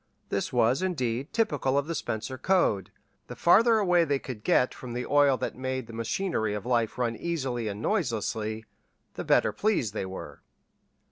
This was, indeed, typical of the Spencer code the farther away they could get from the oil that made the machinery of life run easily and noiselessly, the better pleased they were.